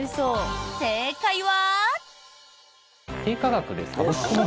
正解は。